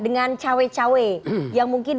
dengan cawi cawi yang mungkin